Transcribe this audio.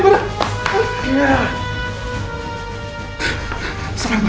dengan fokus fokus dua belas yang permanen